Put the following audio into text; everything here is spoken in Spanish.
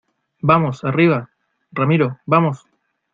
vamos, arriba. ramiro , vamos .